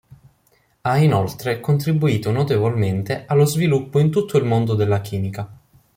Ha inoltre contribuito notevolmente allo sviluppo in tutto il mondo della chimica.